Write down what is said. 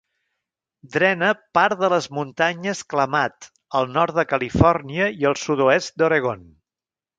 Drena part de les muntanyes Klamath al nord de Califòrnia i al sud-oest d'Oregon.